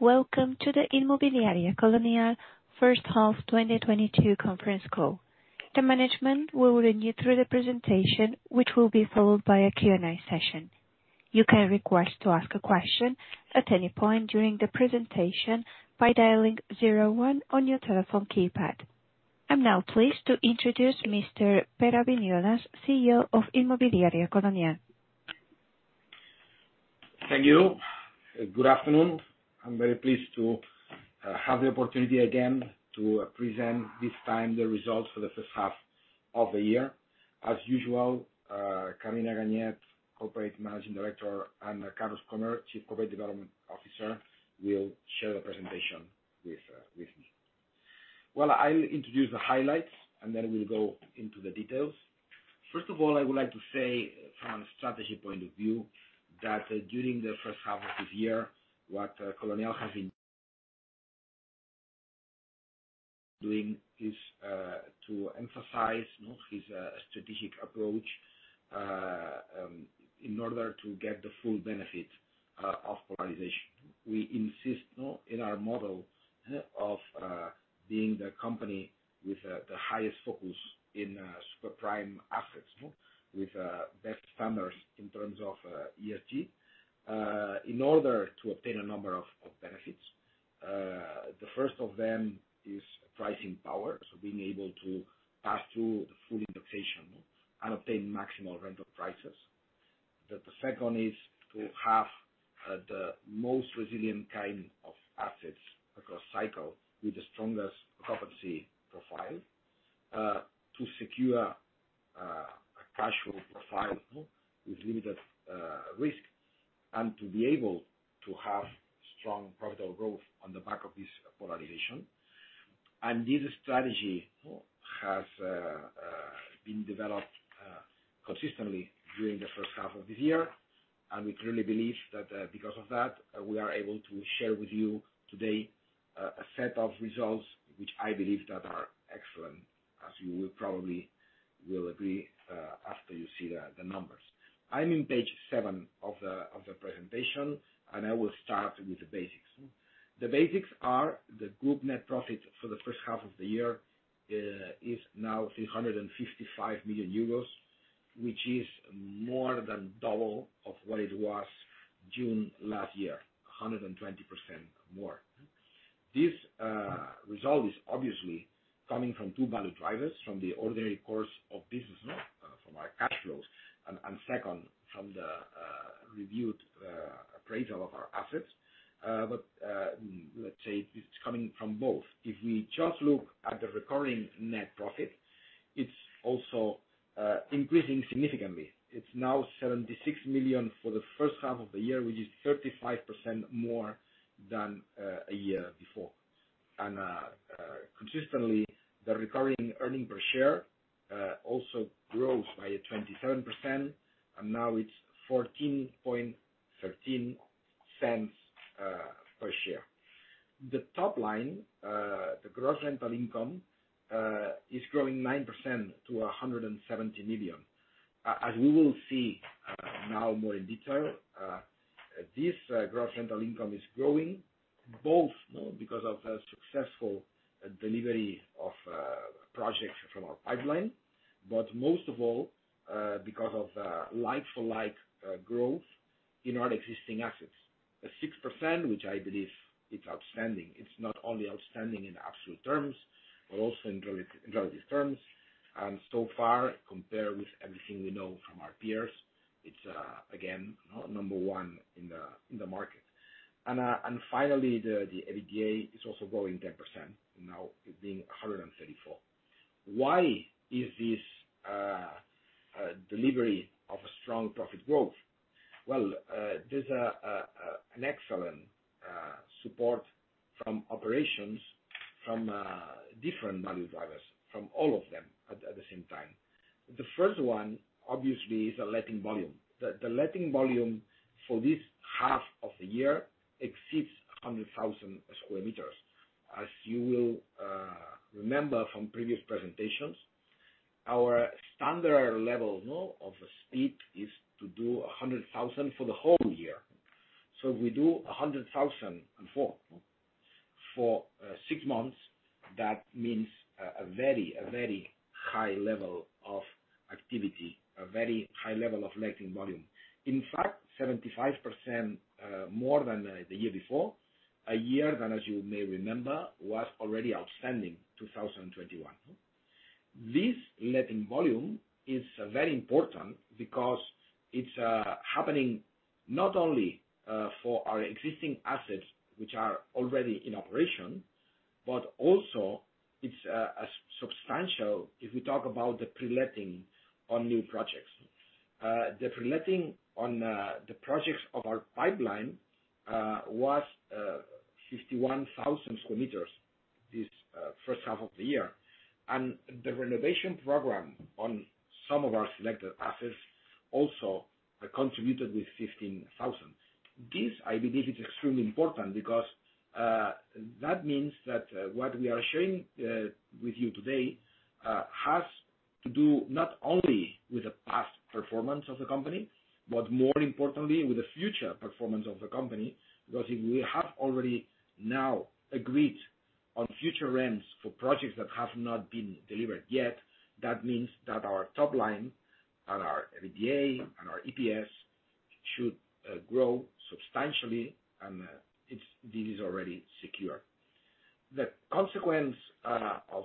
Welcome to the Inmobiliaria Colonial First Half 2022 Conference Call. The management will lead you through the presentation, which will be followed by a Q&A session. You can request to ask a question at any point during the presentation by dialing zero one on your telephone keypad. I'm now pleased to introduce Mr. Pere Viñolas Serra, CEO of Inmobiliaria Colonial. Thank you. Good afternoon. I'm very pleased to have the opportunity again to present this time the results for the first half of the year. As usual, Carmina Ganyet, Corporate Managing Director, and Carlos Krohmer, Chief Corporate Development Officer, will share the presentation with me. Well, I'll introduce the highlights, and then we'll go into the details. First of all, I would like to say from strategy point of view, that during the first half of this year, what Colonial has been doing is to emphasize, you know, is a strategic approach in order to get the full benefit of polarization. We insist, you know, in our model of being the company with the highest focus in super prime assets with best standards in terms of ESG in order to obtain a number of benefits. The first of them is pricing power, so being able to pass through the full indexation and obtain maximal rental prices. The second is to have the most resilient kind of assets across cycle with the strongest occupancy profile to secure a cash flow profile with limited risk and to be able to have strong profitable growth on the back of this polarization. This strategy has been developed consistently during the first half of this year. We clearly believe that, because of that, we are able to share with you today, a set of results which I believe that are excellent, as you will probably agree, after you see the numbers. I'm in page of the presentation, and I will start with the basics. The basics are the group net profit for the first half of the year is now 355 million euros, which is more than double of what it was June last year. 120% more. This result is obviously coming from two value drivers, from the ordinary course of business from our cash flows, and second from the reviewed appraisal of our assets. But let's say it's coming from both. If we just look at the recurring net profit, it's also increasing significantly. It's now 76 million for the first half of the year, which is 35% more than a year before. Consistently, the recurring earning per share also grows by 27%, and now it's 14.13 per share. The top line, the gross rental income, is growing 9% to 170 million. As we will see now more in detail, this gross rental income is growing both because of the successful delivery of projects from our pipeline, but most of all because of like for like growth in our existing assets. At 6%, which I believe is outstanding. It's not only outstanding in absolute terms, but also in relative terms. So far, compared with everything we know from our peers, it's again number one in the market. Finally, the EBITDA is also growing 10%, now being 134. Why is this delivery of a strong profit growth? Well, there's an excellent support from operations, from different value drivers, from all of them at the same time. The first one, obviously, is the letting volume. The letting volume for this half of the year exceeds 100,000 square meters. As you will remember from previous presentations, our standard level of speed is to do 100,000 for the whole year. If we do 100,000 for six months, that means a very high level of activity, a very high level of letting volume. In fact, 75% more than the year before. A year that, as you may remember, was already outstanding, 2021. This letting volume is very important because it's happening not only for our existing assets, which are already in operation, but also it's a substantial if we talk about the pre-letting on new projects. The pre-letting on the projects of our pipeline was 51,000 square meters this first half of the year. The renovation program on some of our selected assets also contributed with 15,000. This, I believe, is extremely important because that means that what we are sharing with you today has to do not only with the past performance of the company, but more importantly, with the future performance of the company. Because if we have already now agreed on future rents for projects that have not been delivered yet, that means that our top line and our EBITDA and our EPS should grow substantially, and this is already secure. The consequence of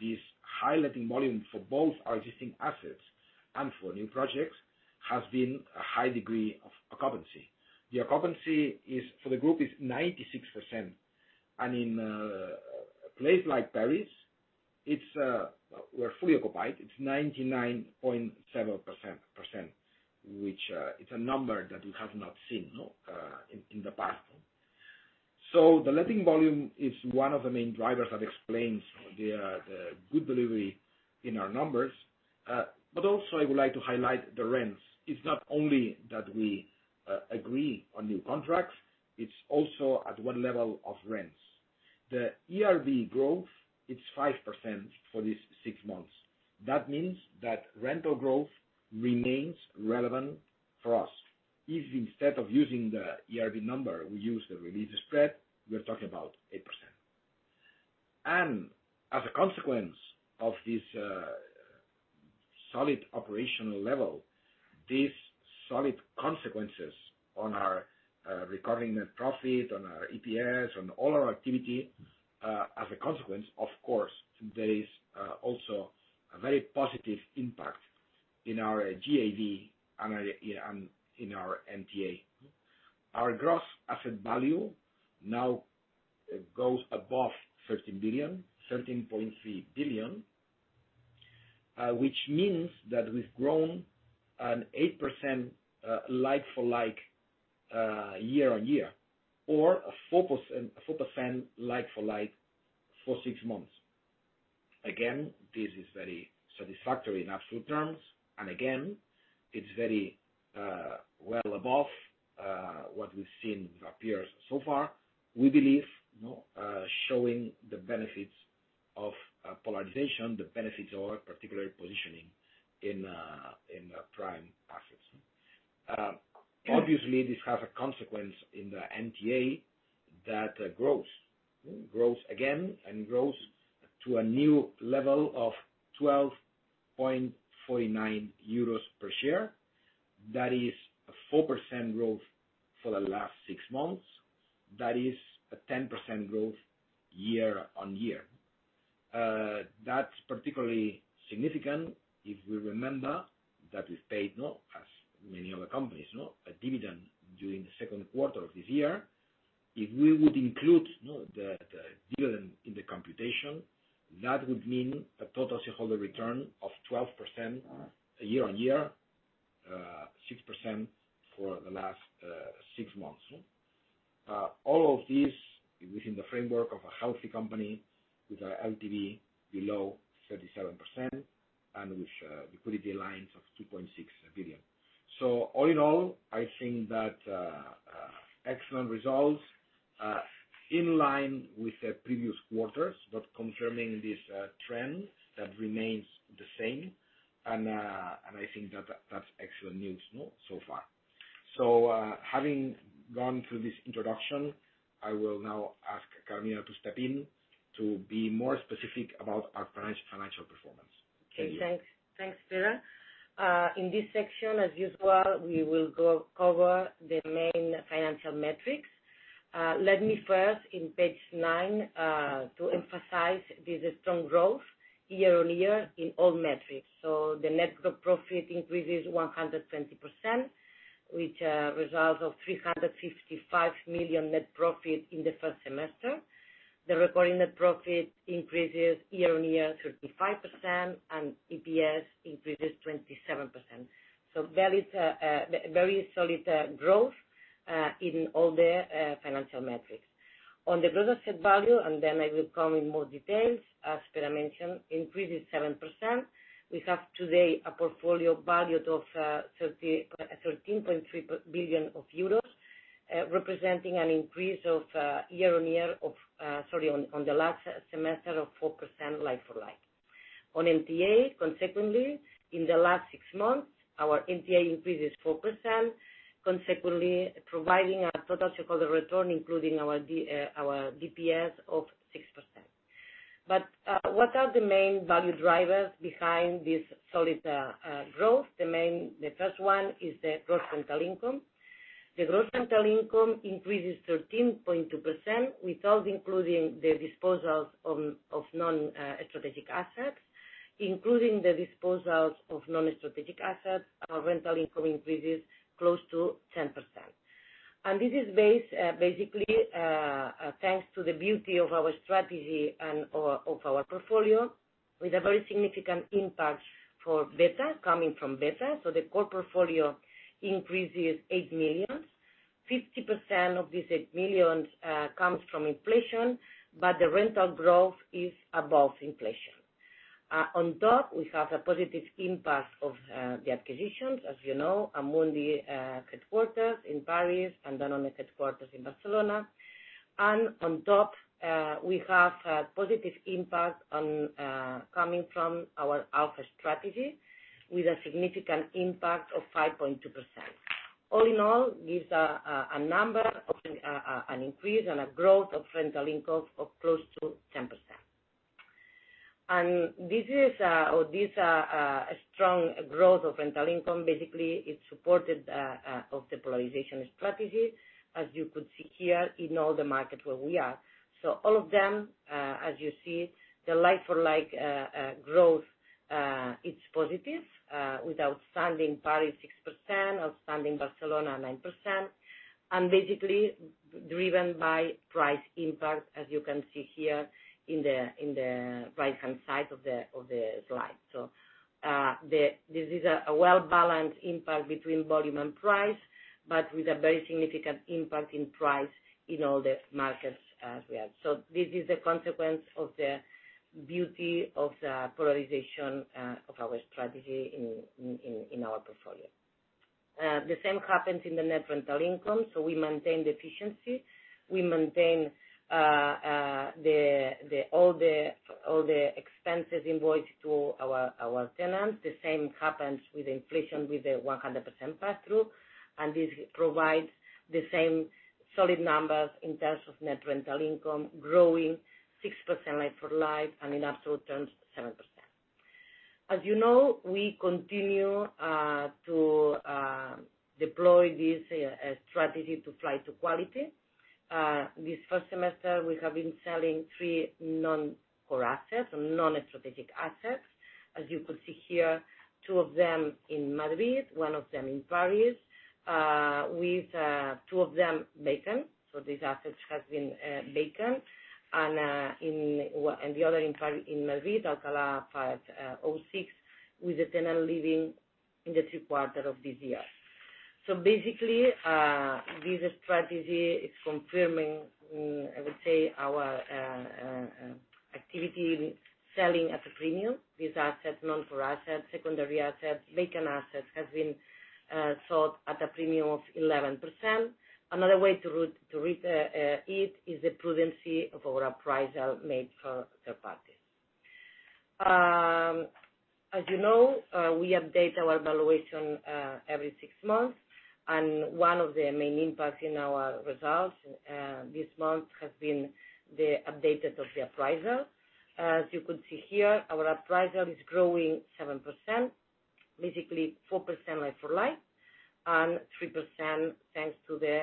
this high letting volume for both our existing assets and for new projects has been a high degree of occupancy. The occupancy is, for the group, 96%. In a place like Paris, we're fully occupied. It's 99.7%, which is a number that we have not seen in the past. The letting volume is one of the main drivers that explains the good delivery in our numbers. I would like to highlight the rents. It's not only that we agree on new contracts, it's also at what level of rents. The ERV growth, it's 5% for this six months. That means that rental growth remains relevant for us. If instead of using the ERV number, we use the release spread, we're talking about 8%. As a consequence of this solid operational level, these solid consequences on our recurring net profit, on our EPS, on all our activity, as a consequence, of course, there is also a very positive impact in our GAV and in our NTA. Our gross asset value now goes above 13 billion, 13.3 billion, which means that we've grown 8% like for like year-on-year, or 4% like for like for six months. This is very satisfactory in absolute terms, and it's very well above what we've seen up here so far, showing the benefits of polarization, the benefits of our particular positioning in prime assets. Obviously, this has a consequence in the NAV that grows again to a new level of 12.49 euros per share. That is 4% growth for the last six months. That is 10% growth year-on-year. That's particularly significant if we remember that we paid, as many other companies, a dividend during the second quarter of this year. If we would include the dividend in the computation, that would mean a total shareholder return of 12% year-on-year, 6% for the last six months. All of this is within the framework of a healthy company with our LTV below 37% and with a liquidity lines of 2.6 billion. All in all, I think that excellent results in line with the previous quarters, but confirming this trend that remains the same. I think that that's excellent news so far. Having gone through this introduction, I will now ask Carmen to step in to be more specific about our financial performance. Thank you. Okay, thanks. Thanks, Pere. In this section, as usual, we will go cover the main financial metrics. Let me first in page nine to emphasize this is strong growth year-on-year in all metrics. The net profit increases 120%, which results in 355 million net profit in the first semester. The recurring net profit increases year-on-year 35%, and EPS increases 27%. There is a very solid growth in all the financial metrics. On the gross asset value, and then I will come in more details, as Pere mentioned, increases 7%. We have today a portfolio valued of 13.3 billion euros, representing an increase of year-on-year of on the last semester of 4% like-for-like. On NTA, consequently, in the last six months, our NTA increases 4%, consequently providing a total shareholder return, including our DPS of 6%. What are the main value drivers behind this solid growth? The first one is the gross rental income. The gross rental income increases 13.2% without including the disposals of non-strategic assets. Including the disposals of non-strategic assets, our rental income increases close to 10%. This is basically thanks to the beauty of our strategy and of our portfolio, with a very significant impact from letting. The core portfolio increases 8 million. 50% of this 8 million comes from inflation, but the rental growth is above inflation. On top, we have a positive impact of the acquisitions. As you know, Amundi headquarters in Paris and Danone headquarters in Barcelona. On top, we have a positive impact on coming from our alpha strategy with a significant impact of 5.2%. All in all, gives a number of an increase and a growth of rental income of close to 10%. This is or these are a strong growth of rental income. Basically, it's supported of the polarization strategy, as you could see here in all the markets where we are. All of them, as you see, the like-for-like growth it's positive, with outstanding Paris 6%, outstanding Barcelona 9%. Basically driven by price impact, as you can see here in the right-hand side of the slide. This is a well-balanced impact between volume and price, but with a very significant impact in price in all the markets as we are. This is a consequence of the beauty of the polarization of our strategy in our portfolio. The same happens in the net rental income, so we maintain the efficiency. We maintain all the expenses invoiced to our tenants. The same happens with inflation, with the 100% pass-through. This provides the same solid numbers in terms of net rental income growing 6% like for like and in absolute terms, 7%. As you know, we continue to deploy this strategy to flight to quality. This first semester, we have been selling three non-core assets or non-strategic assets. As you could see here, two of them in Madrid, one of them in Paris, with two of them vacant. These assets have been vacant. The other in Madrid, Alcalá 506, with the tenant leaving in the third quarter of this year. Basically, this strategy is confirming, I would say, our activity selling at a premium. These assets, non-core assets, secondary assets, vacant assets, have been sold at a premium of 11%. Another way to read it is the prudence of our appraisal made for third parties. As you know, we update our valuation every six months, and one of the main impacts in our results this month has been the update of the appraisal. As you could see here, our appraisal is growing 7%. Basically 4% like-for-like, and 3% thanks to the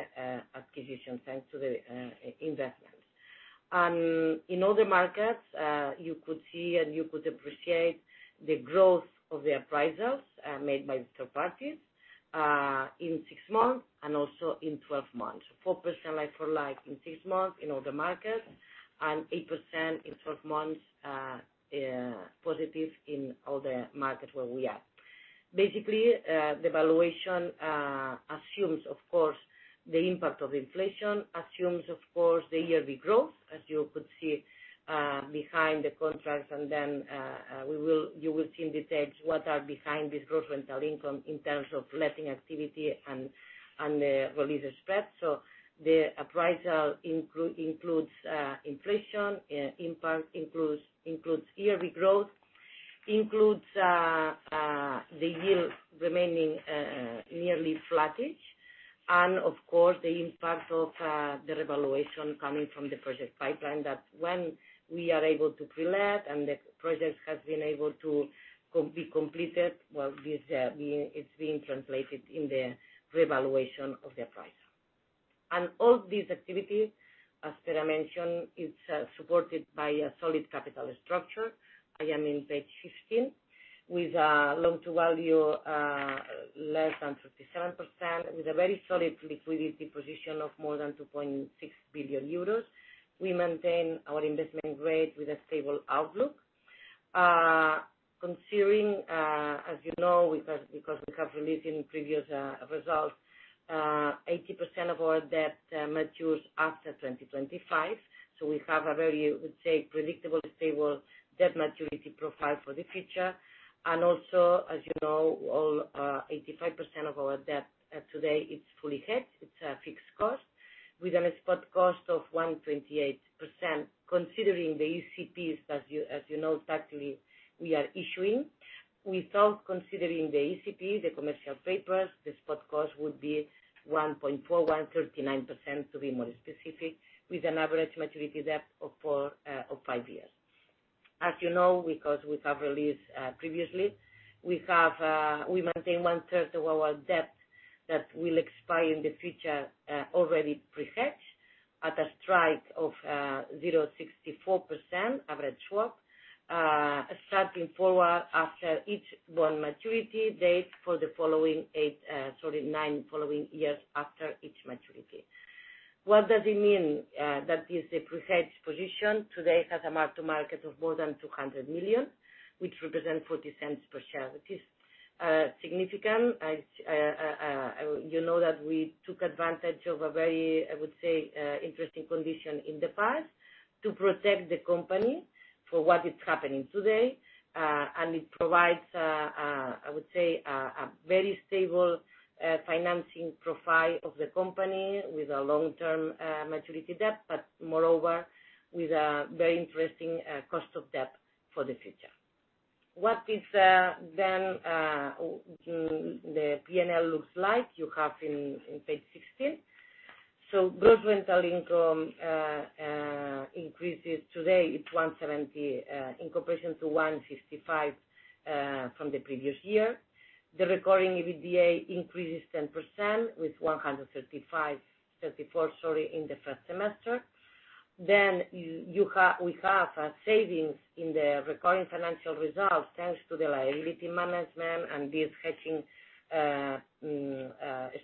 acquisition, thanks to the investment. In all the markets, you could see and you could appreciate the growth of the appraisals made by third parties in six months and also in 12 months. 4% like-for-like in six months in all the markets, and 8% in 12 months, positive in all the markets where we are. Basically, the valuation assumes, of course, the impact of inflation, assumes, of course, the yearly growth, as you could see, behind the contracts. You will see in detail what are behind this growth rental income in terms of letting activity and the release spread. The appraisal includes inflation impact, includes yearly growth, includes the yield remaining nearly flat-ish. Of course, the impact of the revaluation coming from the project pipeline that when we are able to pre-let and the project has been able to be completed, it's being translated in the revaluation of the appraisal. All these activities, as Pere Viñolas Serra mentioned, it's supported by a solid capital structure. I am in page 15. With loan to value less than 57%, with a very solid liquidity position of more than 2.6 billion euros. We maintain our investment grade with a stable outlook. Considering, as you know, because we have disclosed in previous results, 80% of our debt matures after 2025. We have a very, I would say, predictable, stable debt maturity profile for the future. As you know, all 85% of our debt today is fully hedged. It's a fixed cost with a spot cost of 1.28%, considering the ECPs, as you know, factually, we are issuing. Without considering the ECPs, the commercial papers, the spot cost would be 1.4139%, to be more specific, with an average debt maturity of five years. As you know, because we have released previously, we maintain one-third of our debt that will expire in the future already pre-hedged at a strike of 0.64% average swap. Starting forward after each one maturity date for the following nine years after each maturity. What does it mean, that is a pre-hedged position? Today it has a mark to market of more than 200 million, which represent 0.40 per share. Which is significant. It's, you know, that we took advantage of a very, I would say, interesting condition in the past to protect the company for what is happening today. It provides, I would say, a very stable financing profile of the company with a long-term maturity debt, but moreover, with a very interesting cost of debt for the future. What is then the P&L looks like, you have in page 16. Gross rental income increases. Today it's 170 in comparison to 155 from the previous year. The recurring EBITDA increases 10% with 134, sorry, in the first semester. Then we have savings in the recurring financial results, thanks to the liability management and these hedging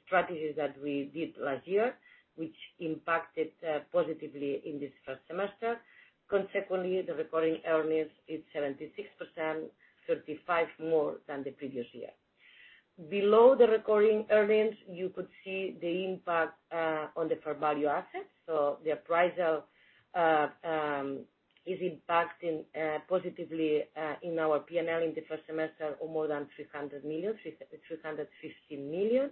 strategies that we did last year, which impacted positively in this first semester. Consequently, the recurring earnings is 76%, 35% more than the previous year. Below the recurring earnings, you could see the impact on the fair value assets. The appraisal is impacting positively in our P&L in the first semester of more than 300 million, 350 million.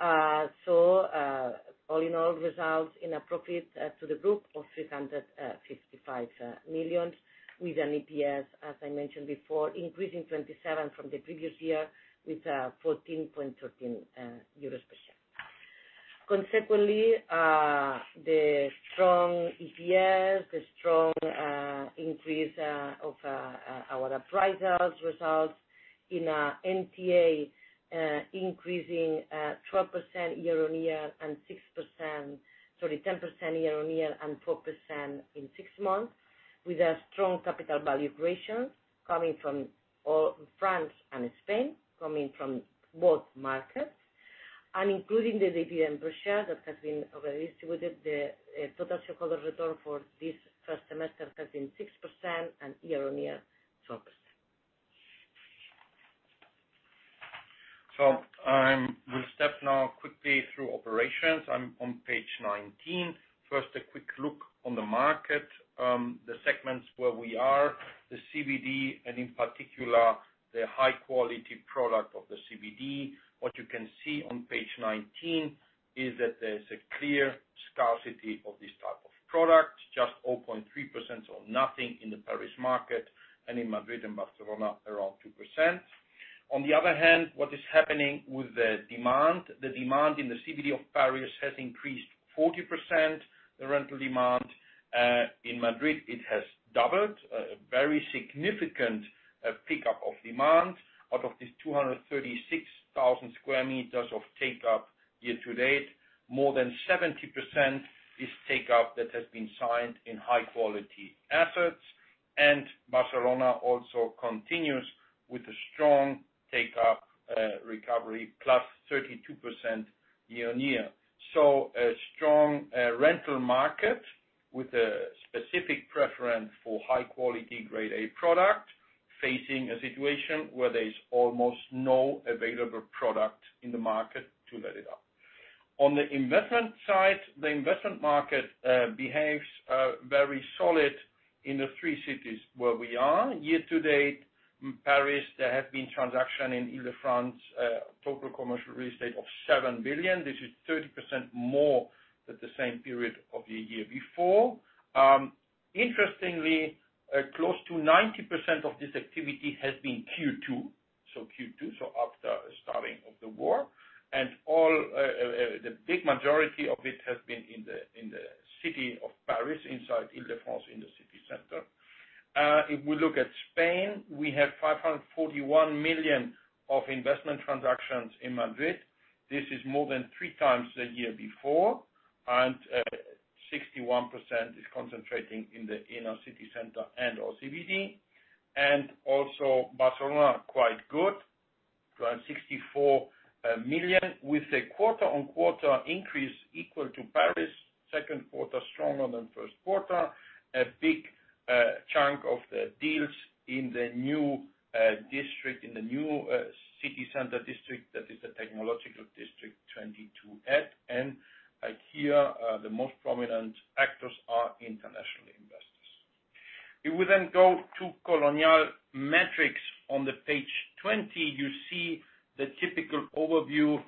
All in all, results in a profit to the group of 355 million, with an EPS, as I mentioned before, increasing 27% from the previous year with 14.13 euros per share. Consequently, the strong EPS, the strong increase of our appraisals results in NTA increasing 10% year-on-year and 4% in six months, with a strong capital value creation coming from all France and Spain, coming from both markets. Including the dividend per share that has been already distributed, the total shareholder return for this first semester has been 6% and year-on-year, 12%. We'll step now quickly through operations. I'm on page 19. First, a quick look on the market, the segments where we are, the CBD, and in particular, the high quality product of the CBD. What you can see on page 19 is that there's a clear scarcity of this type of product, just 0.3%, so nothing in the Paris market, and in Madrid and Barcelona, around 2%. On the other hand, what is happening with the demand. The demand in the CBD of Paris has increased 40%, the rental demand. In Madrid, it has doubled, a very significant pickup of demand. Out of these 236,000 square meters of take up year to date, more than 70% is take up that has been signed in high quality assets. Barcelona also continues with a strong take-up, recovery, +32% year-on-year. A strong rental market with a specific preference for high-quality Grade A product, facing a situation where there is almost no available product in the market to let supply. On the investment side, the investment market behaves very solid in the three cities where we are. Year to date, in Paris, there have been transactions in Île-de-France, total commercial real estate of 7 billion. This is 30% more than the same period of the year before. Interestingly, close to 90% of this activity has been Q2, after the start of the war. The big majority of it has been in the city of Paris, inside Île-de-France, in the city center. If we look at Spain, we have 541 million of investment transactions in Madrid. This is more than three times the year before, and 61% is concentrating in the inner city center and/or CBD. Also Barcelona, quite good. 264 million with a quarter-on-quarter increase equal to Paris, second quarter stronger than first quarter. A big chunk of the deals in the new district, in the new city center district, that is the technological district, 22@. The most prominent actors are international investors. If we go to Colonial metrics on page 20, you see the typical overview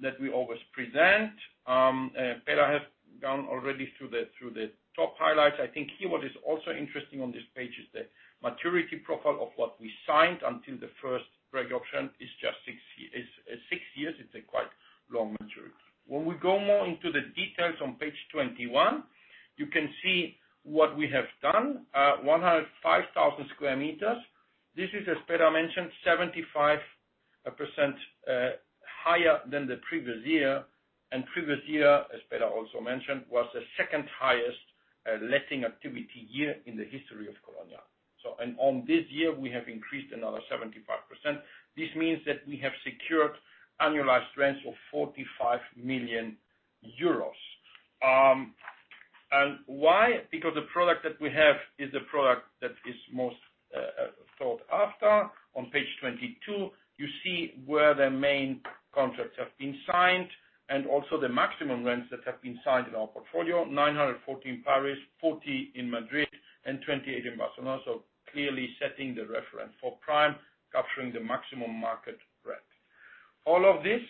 that we always present. Pere Viñolas Serra has gone already through the top highlights. I think here what is also interesting on this page is the maturity profile of what we signed until the first re-option is just six years. It's a quite long maturity. When we go more into the details on page 21, you can see what we have done. 105,000 sq m. This is, as Pere mentioned, 75% higher than the previous year. Previous year, as Pere also mentioned, was the second highest letting activity year in the history of Colonial. In this year, we have increased another 75%. This means that we have secured annualized rents of 45 million euros. Why? Because the product that we have is the product that is most sought after. On page 22, you see where the main contracts have been signed and also the maximum rents that have been signed in our portfolio, 914 in Paris, 40 in Madrid, and 28 in Barcelona. Clearly setting the reference for prime, capturing the maximum market rent. All of this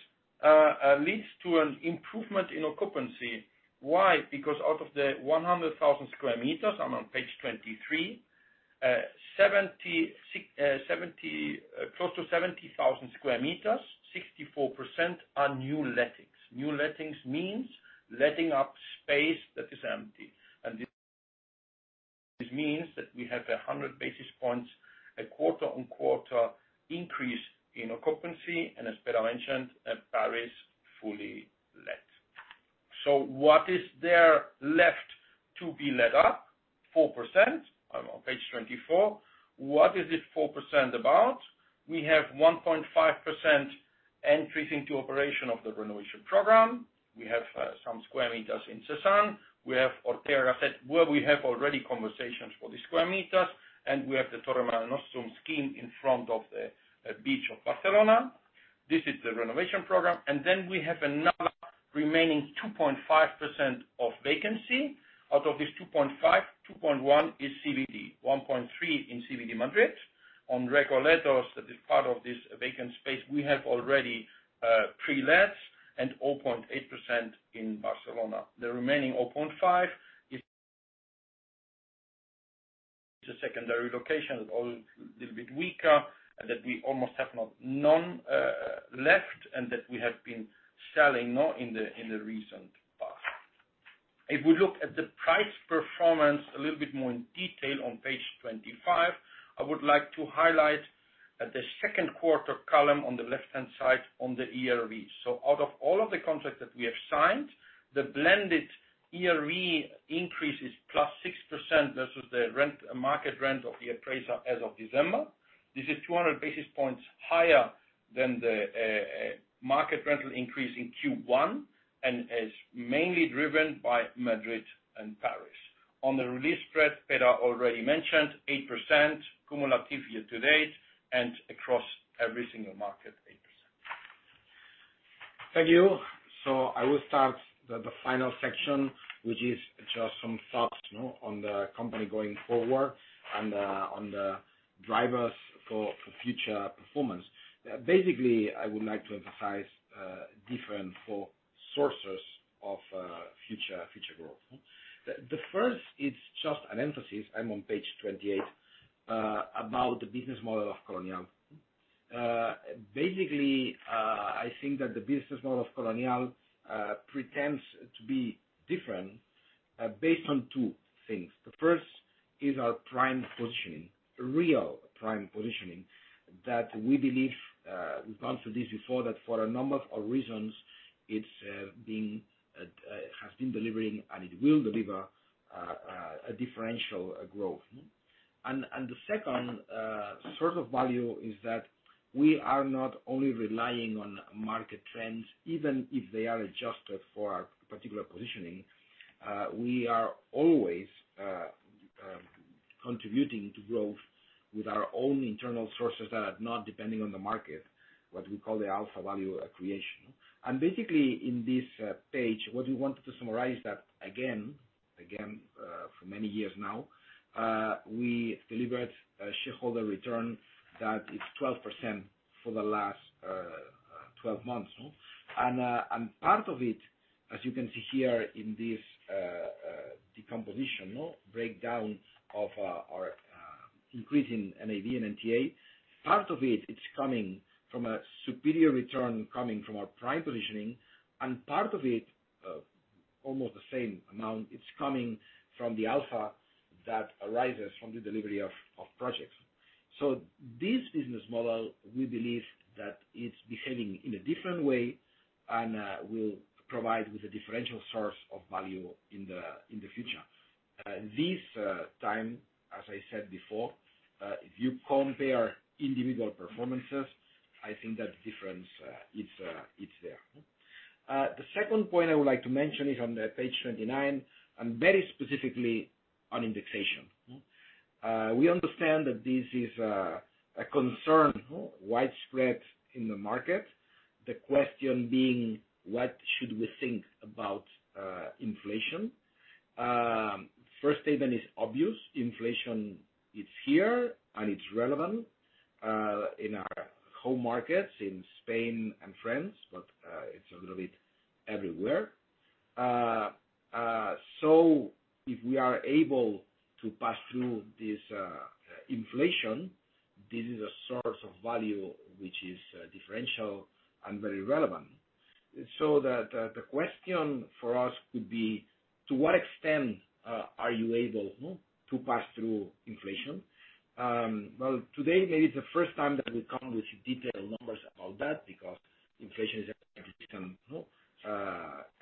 leads to an improvement in occupancy. Why? Because out of the 100,000 square meters, I'm on page 23, close to 70,000 square meters, 64% are new lettings. New lettings means letting up space that is empty. This means that we have 100 basis points, a quarter-on-quarter increase in occupancy, and as Pere mentioned, Paris fully let. What is there left to be let up? 4%. I'm on page 24. What is this 4% about? We have 1.5% entries into operation of the renovation program. We have some square meters in Cézanne. We have Ortega y Gasset, where we have already conversations for the square meters, and we have the Torre Marenostrum scheme in front of the beach of Barcelona. This is the renovation program. We have another remaining 2.5% of vacancy. Out of this 2.5%, 2.1% is CBD, 1.3% in CBD Madrid. On Recoletos, that is part of this vacant space we have already pre-let and 0.8% in Barcelona. The remaining 0.5% is a secondary location, a little bit weaker, and that we almost have none left, and that we have been selling in the recent past. If we look at the price performance a little bit more in detail on page 25. I would like to highlight at the second quarter column on the left-hand side on the ERV. Out of all of the contracts that we have signed, the blended ERV increase is +6% versus the rent, market rent of the appraiser as of December. This is 200 basis points higher than the market rental increase in Q1 and is mainly driven by Madrid and Paris. On the release spread, Pere already mentioned 8% cumulative year to date and across every single market, 8%. Thank you. I will start the final section, which is just some thoughts on the company going forward and on the drivers for future performance. Basically, I would like to emphasize four different sources of future growth. The first is just an emphasis. I'm on page 28 about the business model of Colonial. Basically, I think that the business model of Colonial tends to be different based on two things. The first is our prime positioning, real prime positioning that we believe we've gone through this before, that for a number of reasons it has been delivering and it will deliver a differential growth. The second source of value is that we are not only relying on market trends, even if they are adjusted for our particular positioning. We are always contributing to growth with our own internal sources that are not depending on the market, what we call the alpha value creation. Basically, in this page, what we wanted to summarize that again for many years now, we delivered a shareholder return that is 12% for the last 12 months. Part of it, as you can see here in this breakdown of our increase in NAV and NTA. Part of it's coming from a superior return coming from our prime positioning, and part of it, almost the same amount, it's coming from the alpha that arises from the delivery of projects. This business model, we believe that it's behaving in a different way and will provide with a differential source of value in the future. This time, as I said before, if you compare individual performances, I think that difference, it's there. The second point I would like to mention is on the page 29, and very specifically on indexation. We understand that this is a concern widespread in the market. The question being, what should we think about inflation? First statement is obvious. Inflation is here, and it's relevant in our home markets in Spain and France, but it's a little bit everywhere. If we are able to pass through this inflation, this is a source of value which is differential and very relevant. The question for us could be: To what extent are you able to pass through inflation? Well, today, maybe it's the first time that we come with detailed numbers about that because inflation is an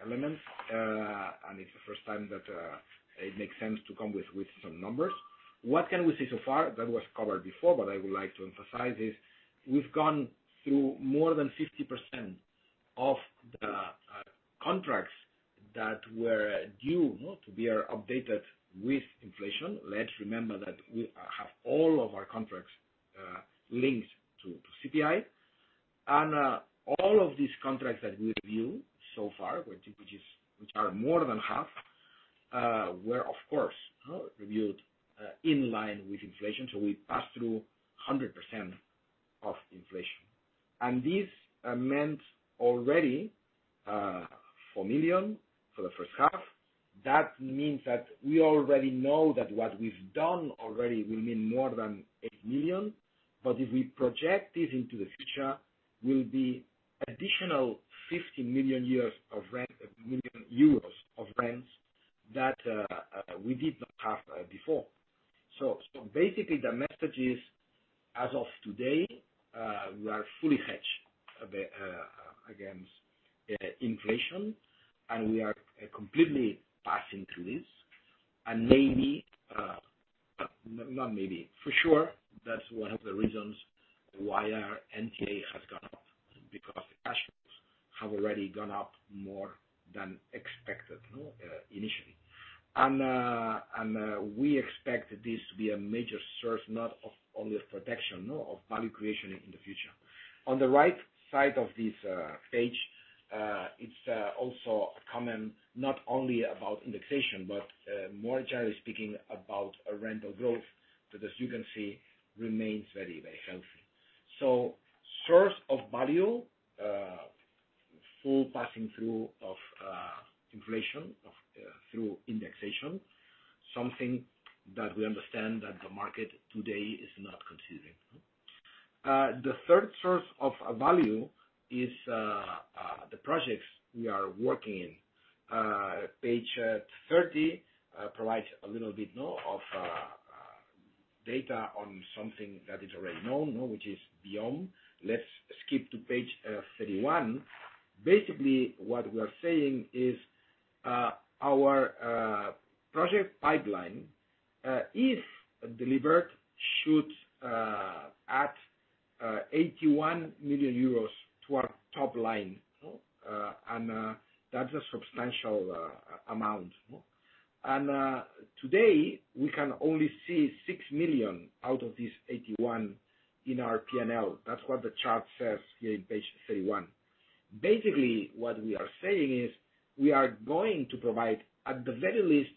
element, and it's the first time that it makes sense to come with some numbers. What can we say so far? That was covered before, but I would like to emphasize is we've gone through more than 50% of the contracts that were due to be updated with inflation. Let's remember that we have all of our contracts linked to CPI. All of these contracts that we review so far, which are more than half, were, of course, reviewed in line with inflation, so we passed through 100% of inflation. This meant already 4 million for the first half. That means that we already know that what we've done already will mean more than 8 million. If we project this into the future, there will be additional 50 million euros of rents that we did not have before. Basically the message is, as of today, we are fully hedged against inflation, and we are completely passing through this. For sure, that's one of the reasons why our NTA has gone up, because the cash flows have already gone up more than expected, you know, initially. We expect this to be a major source, not only of protection, no, of value creation in the future. On the right side of this page, it's also a comment, not only about indexation, but more generally speaking about rental growth, that as you can see remains very, very healthy. Source of value, full passing through of inflation through indexation. Something that we understand that the market today is not considering. The third source of value is the projects we are working in. Page 30 provides a little bit of data on something that is already known, which is beyond. Let's skip to page 31. Basically, what we are saying is our project pipeline, if delivered, should add 81 million euros to our top line, and that's a substantial amount. Today we can only see 6 million out of these 81 in our P&L. That's what the chart says here in page 31. Basically, what we are saying is we are going to provide at the very least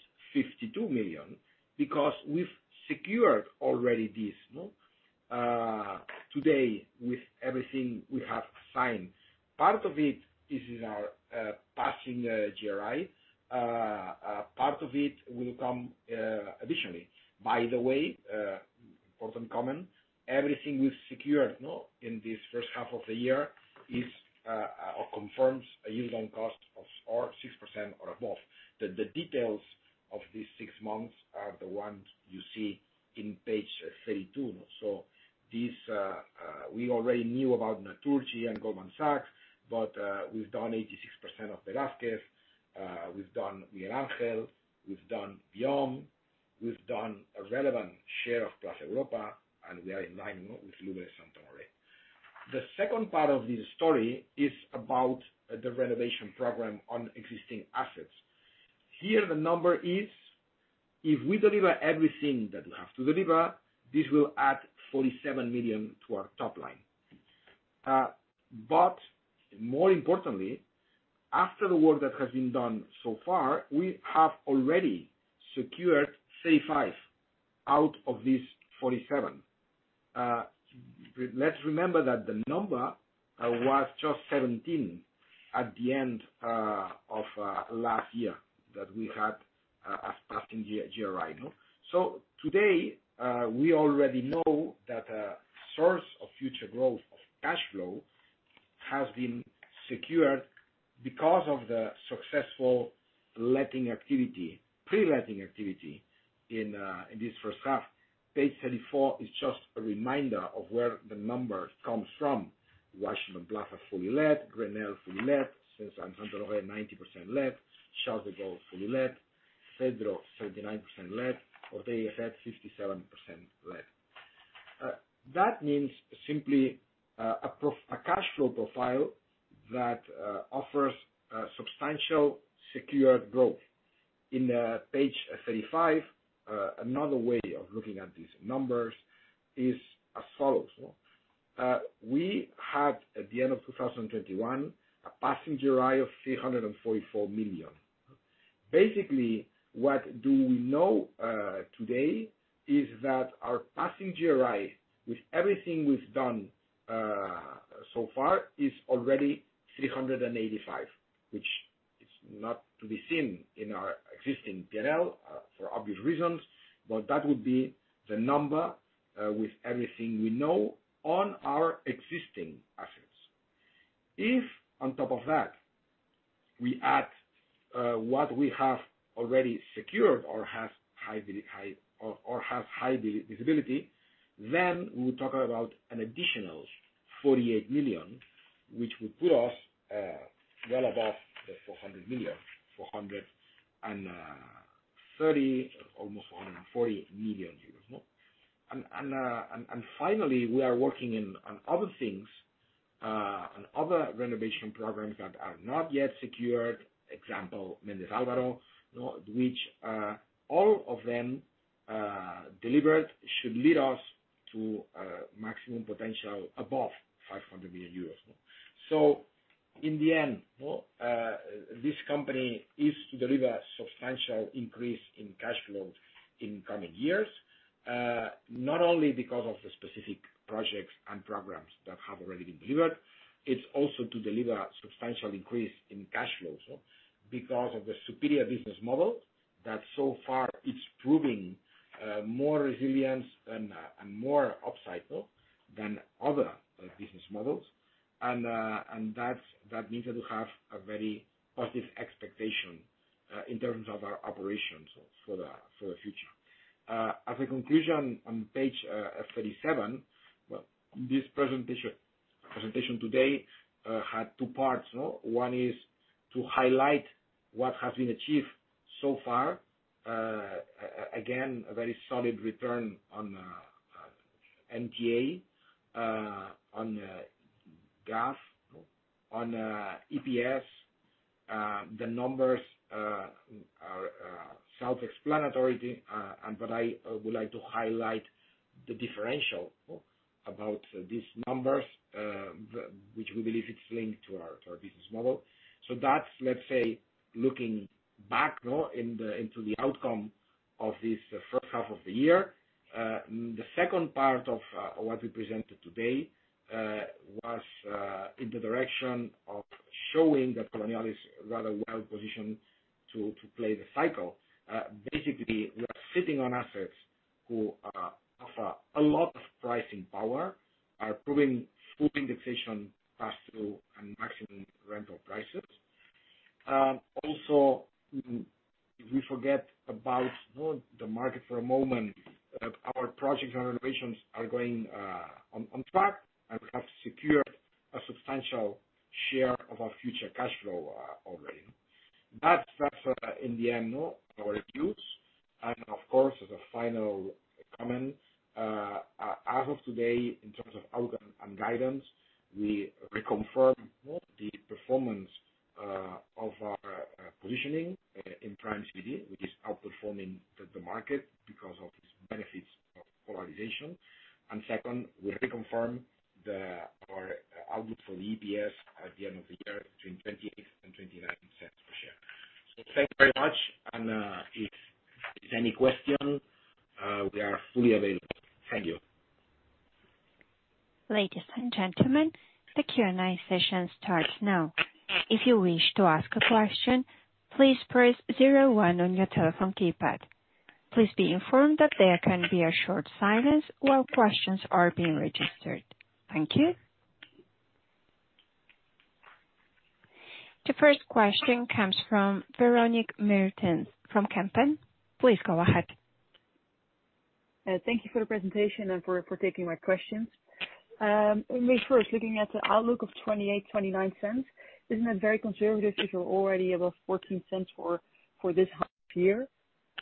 is if we deliver everything that we have to deliver, this will add 47 million to our top line. More importantly, after the work that has been done so far, we have already secured 35 out of these 47. Let's remember that the number was just 17 at the end of last year that we had a passing GRI. Today we already know that a source of future growth of cash flow has been secured because of the successful letting activity, pre-letting activity in this first half. Page 34 is just a reminder of where the numbers come from. Washington Plaza, fully let. Grenelle, fully let. 100, 90% let. Charles de Gaulle, fully let. Cedro, 39% let. Hotelet, 57% let. That means simply a cash flow profile that offers substantial secured growth. In page 35, another way of looking at these numbers is as follows. We had at the end of 2021, a passing GRI of 344 million. Basically, what do we know today is that our passing GRI, with everything we've done so far, is already 385, which is not to be seen in our existing P&L for obvious reasons. That would be the number with everything we know on our existing assets. If on top of that, we add what we have already secured or has high visibility, then we talk about an additional 48 million, which would put us well above the 400 million, 430 million, almost 440 million euros. Finally, we are working on other things on other renovation programs that are not yet secured. Example, Méndez Álvaro. Which, all of them, delivered, should lead us to maximum potential above 500 million euros. In the end, no, this company is to deliver substantial increase in cash flows in coming years, not only because of the specific projects and programs that have already been delivered, it's also to deliver substantial increase in cash flows, because of the superior business model that so far is proving more resilience and more upcycle than other business models. That means that we have a very positive expectation in terms of our operations for the future. As a conclusion on page 37, well, this presentation today had two parts, no? One is to highlight what has been achieved so far. A very solid return on NTA, on GAV, on EPS. The numbers are self-explanatory, but I would like to highlight the differential about these numbers, which we believe it's linked to our business model. That's, let's say, looking into the outcome of this first half of the year. The second part of what we presented today was in the direction of showing that Colonial is rather well-positioned to play the cycle. Basically, we are sitting on assets who offer a lot of pricing power, are proving full indexation pass-through and maximum rental prices. Also, if we forget about the market for a moment, our projects and renovations are going on track, and we have secured a substantial share of our future cash flow already. That's in the end our views. Of course, as a final comment, as of today, in terms of outlook and guidance, we reconfirm the performance of our positioning in Prime CBD, which is outperforming the market because of its benefits of polarization. Second, we reconfirm our outlook for the EPS at the end of the year between 0.28 and 0.29 per share. Thank you very much. If any question, we are fully available. Thank you. Ladies and gentlemen, the Q&A session starts now. If you wish to ask a question, please press zero one on your telephone keypad. Please be informed that there can be a short silence while questions are being registered. Thank you. The first question comes from Véronique Mertens from Kempen. Please go ahead. Thank you for the presentation and for taking my questions. Maybe first, looking at the outlook of 0.28 to EUR 0.29, isn't that very conservative if you're already above 0.14 for this half year?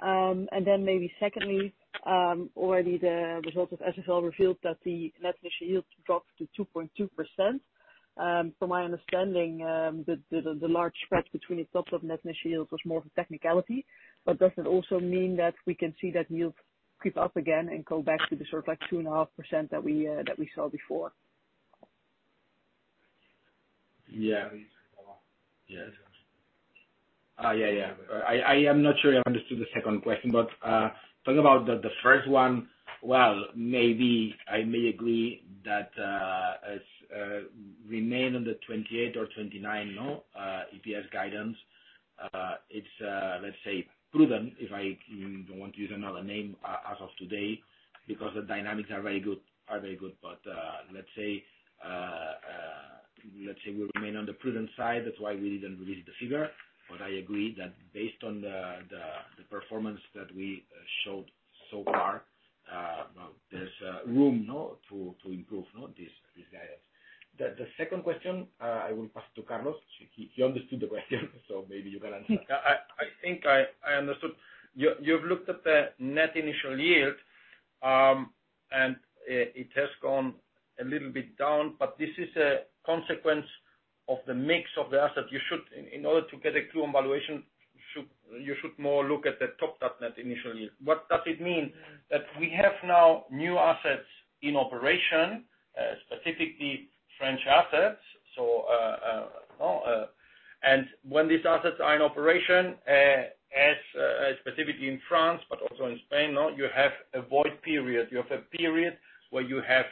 Maybe secondly, already the results of SFL revealed that the net initial yield dropped to 2.2%. From my understanding, the large spread between the topped-up net initial yields was more of a technicality, but does it also mean that we can see that yield creep up again and go back to the sort of like 2.5% that we saw before? I am not sure I understood the second question, but talking about the first one, well, maybe I may agree that as we remain on the 28 or 29 EPS guidance. It's let's say prudent, if I don't want to use another name as of today, because the dynamics are very good. Let's say we remain on the prudent side. That's why we didn't release the figure. I agree that based on the performance that we showed so far, there's room to improve this guidance. The second question I will pass to Carlos. He understood the question so maybe you can answer. I think I understood. You've looked at the net initial yield, and it has gone a little bit down, but this is a consequence of the mix of the asset. In order to get a clear valuation, you should more look at the topped up net initial yield. What does it mean? That we have now new assets in operation, specifically French assets. When these assets are in operation, specifically in France, but also in Spain, no, you have a void period. You have a period where you have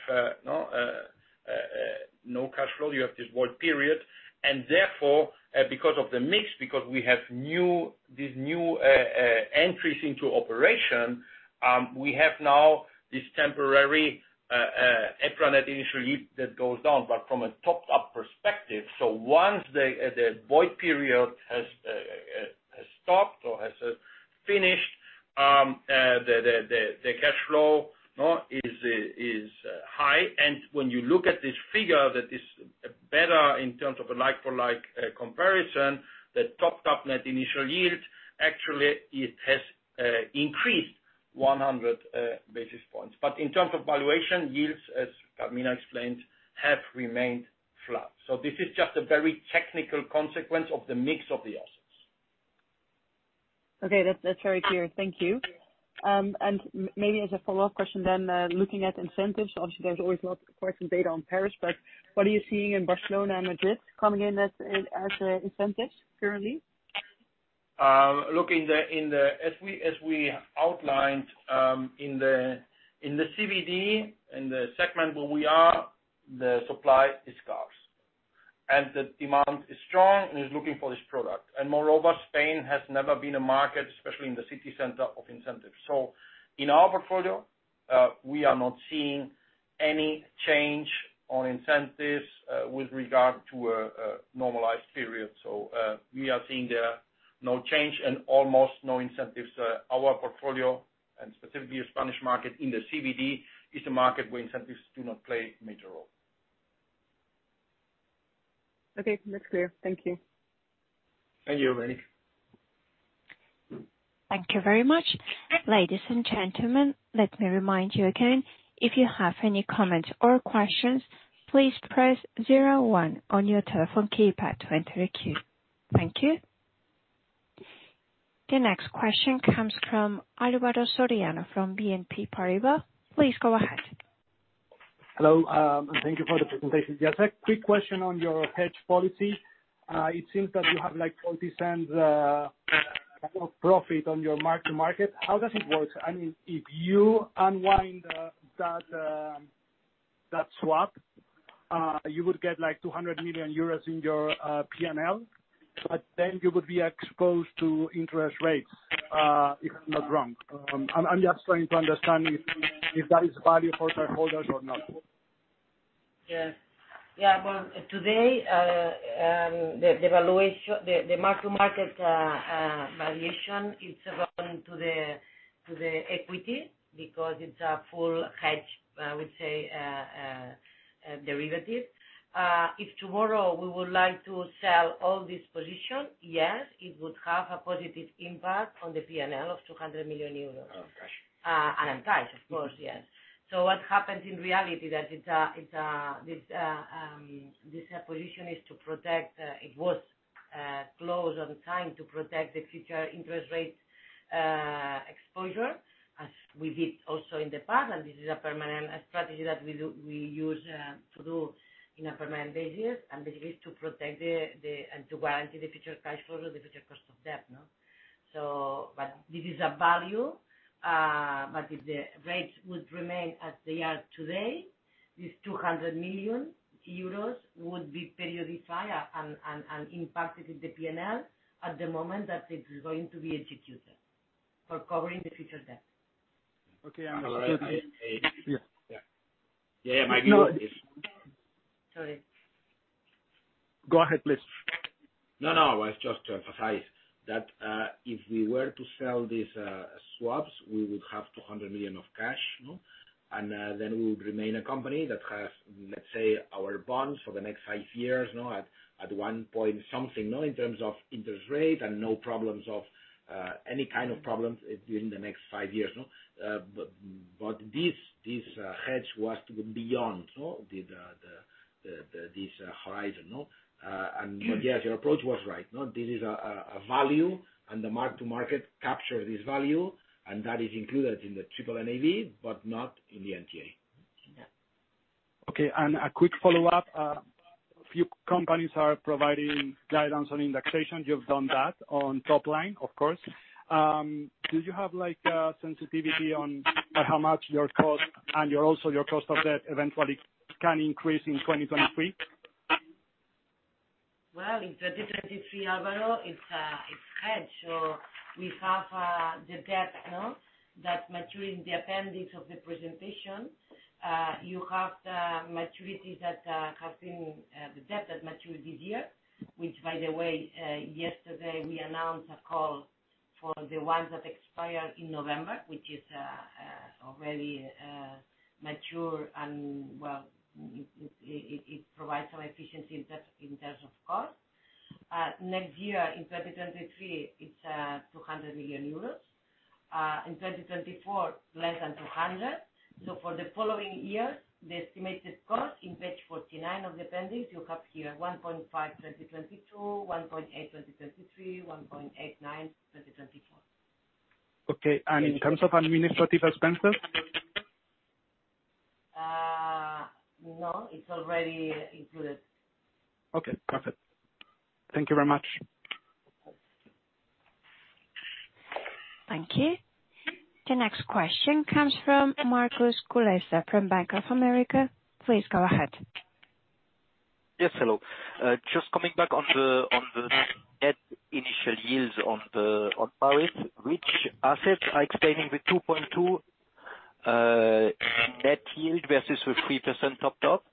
no cash flow. You have this void period. Therefore, because of the mix, because we have these new entries into operation, we have now this temporary upfront net initial yield that goes down, but from a topped up perspective. Once the void period has stopped or has finished, the cash flow is high. When you look at this figure that is better in terms of a like for like comparison, the topped up net initial yield, actually it has increased 100 basis points. But in terms of valuation, yields, as Carmina explained, have remained flat. This is just a very technical consequence of the mix of the assets. Okay. That's very clear. Thank you. Maybe as a follow-up question then, looking at incentives, obviously there's always not quite as much data on Paris, but what are you seeing in Barcelona and Madrid coming in as incentives currently? Look, as we outlined, in the CBD, in the segment where we are, the supply is scarce and the demand is strong and is looking for this product. Moreover, Spain has never been a market, especially in the city center, of incentives. In our portfolio, we are not seeing any change on incentives with regard to a normalized period. We are seeing there no change and almost no incentives. Our portfolio and specifically the Spanish market in the CBD is a market where incentives do not play a major role. Okay. That's clear. Thank you. Thank you, Veronique Mertens. Thank you very much. Ladies and gentlemen, let me remind you again, if you have any comments or questions, please press zero one on your telephone keypad to enter the queue. Thank you. The next question comes from Alvaro Soriano de Miguel from BNP Paribas. Please go ahead. Hello. Thank you for the presentation. Just a quick question on your hedge policy. It seems that you have like 40% profit on your mark to market. How does it work? I mean, if you unwind that swap, you would get like 200 million euros in your P&L, but then you would be exposed to interest rates, if I'm not wrong. I'm just trying to understand if that is value for shareholders or not. Yes. Yeah. Well, today, the mark to market valuation is relevant to the equity because it's a full hedge, I would say, derivative. If tomorrow we would like to sell all this position, yes, it would have a positive impact on the P&L of 200 million euros. Oh, fresh. In time, of course, yes. What happens in reality is that this acquisition was closed on time to protect the future interest rate exposure as we did also in the past. This is a permanent strategy that we use on a permanent basis. This is to protect and to guarantee the future cash flow, the future cost of debt. No? But this is a value. But if the rates would remain as they are today, this 200 million euros would be periodized and impacted in the P&L at the moment that it is going to be executed for covering the future debt. Okay. Yeah. My view is. Sorry. Go ahead, please. No. It's just to emphasize that if we were to sell these swaps, we would have 200 million of cash. No? We would remain a company that has, let's say, our bonds for the next five years, no, at 1 point something, no, in terms of interest rate and no problems of any kind of problems during the next five years. No? This hedge was to go beyond this horizon. No? Yes, your approach was right. No? This is a value and the mark-to-market capture this value, and that is included in the EPRA NNNAV, but not in the NTA. Yeah. Okay. A quick follow-up. A few companies are providing guidelines on indexation. You have done that on top line, of course. Do you have like a sensitivity on how much your cost and your, also your cost of debt eventually can increase in 2023? In 2023, Alvaro, it's hedged. So we have the debt. No, that's maturing in the appendix of the presentation. You have the maturities, the debt that matures this year, which by the way, yesterday we announced a call for the ones that expire in November, which is already mature and it provides some efficiency in terms of cost. Next year, in 2023, it's 200 million euros. In 2024, less than 200 million. For the following years, the estimated cost on page 49 of the appendix, you have here 1.5% 2022, 1.8% 2023, 1.89% 2024. Okay. In terms of administrative expenses? No, it's already included. Okay, perfect. Thank you very much. Thank you. The next question comes from Markus Guleser from Bank of America. Please go ahead. Yes, hello. Just coming back on the net initial yields on Paris. Which assets are explaining the 2.2% net yield versus the 3% topped up?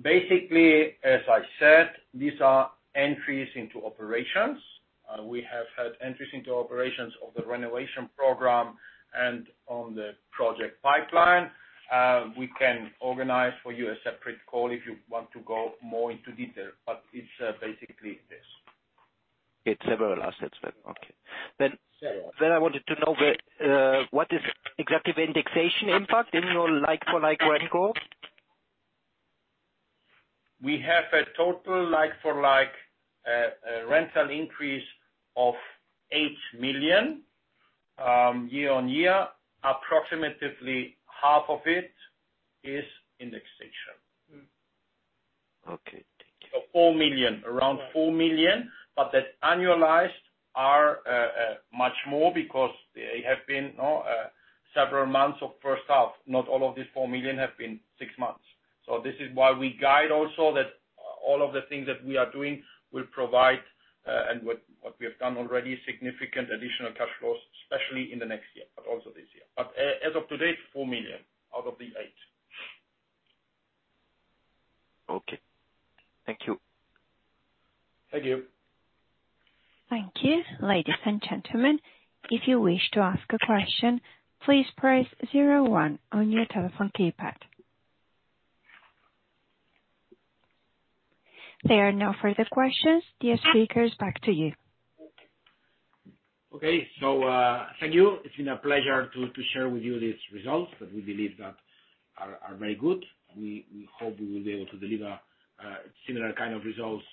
Basically, as I said, these are entries into operations. We have had entries into operations of the renovation program and on the project pipeline. We can organize for you a separate call if you want to go more into detail, but it's basically this. It's several assets then. Okay. Several. I wanted to know what is executive indexation impact in your like for like rent growth? We have a total like for like rental increase of EUR 8 million year-on-year. Approximately half of it is indexation. Okay. Thank you. 4 million. Around 4 million. That annualized are much more because they have been, you know, several months of first half. Not all of these 4 million have been six months. This is why we guide also that all of the things that we are doing will provide, and what we have done already, significant additional cash flows, especially in the next year, but also this year. As of to date, 4 million out of the eight. Okay. Thank you. Thank you. Thank you. Ladies and gentlemen, if you wish to ask a question, please press zero one on your telephone keypad. There are no further questions. Dear speakers, back to you. Okay. Thank you. It's been a pleasure to share with you these results that we believe are very good. We hope we will be able to deliver similar kind of results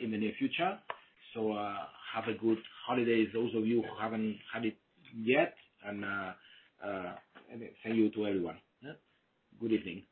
in the near future. Have good holidays, those of you who haven't had it yet. Thank you to everyone. Yeah. Good evening.